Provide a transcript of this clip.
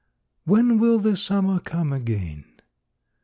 When will the summer come again?